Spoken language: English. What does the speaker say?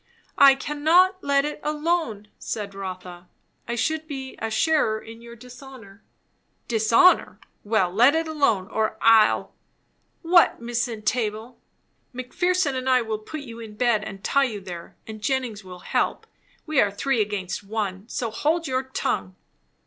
"I cannot let it alone," said Rotha. "I should be a sharer in your dishonour." "Dishonour! well, let it alone, or I'll " "What, Miss Entable?" "Mc Pherson and I will put you in bed and tie you there; and Jennings will help. We are three against one. So hold your tongue."